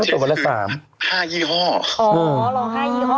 อ๋อหรอ๕ยี่ห้อเลย